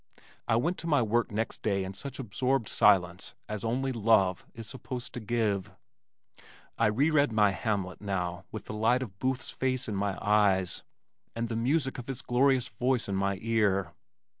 I went to my work next day in such absorbed silence as only love is supposed to give. I re read my Hamlet now with the light of Booth's face in my eyes and the music of his glorious voice in my ear.